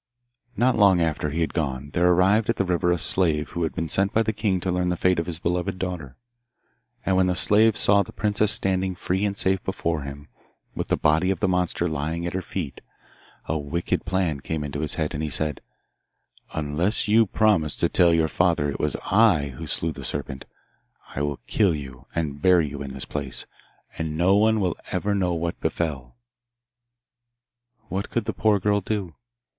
Not long after he had gone there arrived at the river a slave who had been sent by the king to learn the fate of his beloved daughter. And when the slave saw the princess standing free and safe before him, with the body of the monster lying at her feet, a wicked plan came into his head, and he said, 'Unless you promise to tell your father it was I who slew the serpent, I will kill you and bury you in this place, and no one will ever know what befell.' What could the poor girl do?